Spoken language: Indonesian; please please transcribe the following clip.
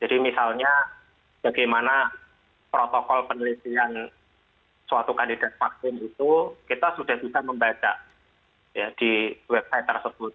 jadi misalnya bagaimana protokol penelitian suatu kandidat vaksin itu kita sudah bisa membaca di website tersebut